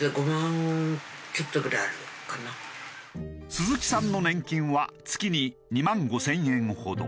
鈴木さんの年金は月に２万５０００円ほど。